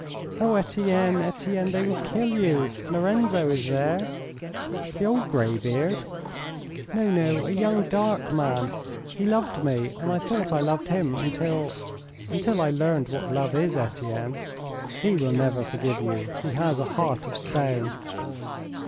"Oh, Etienne, Etienne, they will kill you. Lorenzo is there." "The old greybeard?" "No, no, a young dark man. He loved me, and I thought I loved him until until I learned what love is, Etienne. He will never forgive you. He has a heart of stone."